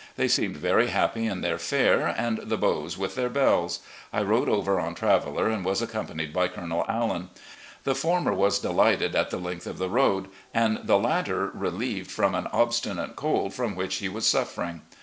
They seemed very happy in their fair, and the beaux with their belles. I rode over on Traveller and was accompanied by Colonel AUan. The former was delighted at the length of the road, and the latter relieved from an obstinate cold from which he was suffering.